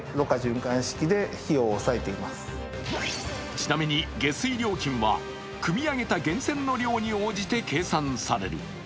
ちなみに下水料金はくみ上げた源泉の量に応じて計算される。